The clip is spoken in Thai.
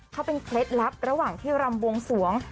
เขาเป็นเคล็ดลับระหว่างที่รำบวงสวง